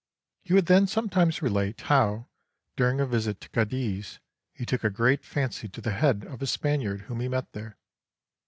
He would then sometimes relate how, during a visit to Cadiz, he took a great fancy to the head of a Spaniard whom he met there.